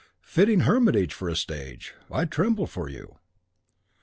Fitting hermitage for a sage! I tremble for you.